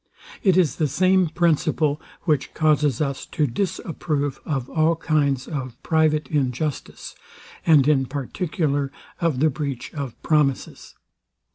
It is the same principle, which causes us to disapprove of all kinds of private injustice, and in particular of the breach of promises.